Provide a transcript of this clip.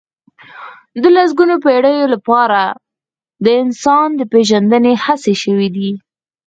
د لسګونو پېړيو لپاره د انسان پېژندنې هڅې شوي دي.